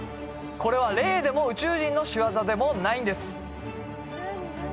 これは霊でも宇宙人の仕業でもないんです